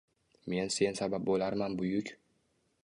Men sen sabab boʼlarman buyuk?